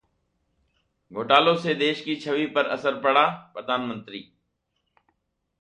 घोटालों से देश की छवि पर असर पड़ाः प्रधानमंत्री